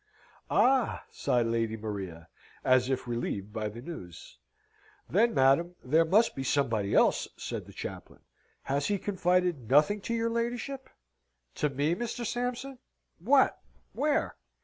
"Ah!" sighed Lady Maria, as if relieved by the news. "Then, madam, there must be somebody else," said the chaplain. Has he confided nothing to your ladyship?" "To me, Mr. Sampson? What? Where?